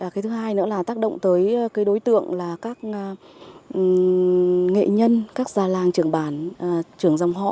cái thứ hai nữa là tác động tới cái đối tượng là các nghệ nhân các già làng trưởng bản trưởng dòng họ